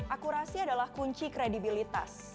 akurasi adalah kunci kredibilitas